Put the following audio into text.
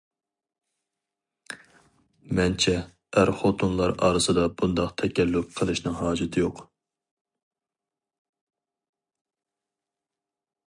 مەنچە ئەر-خوتۇنلار ئارىسىدا بۇنداق تەكەللۇپ قىلىشنىڭ ھاجىتى يوق.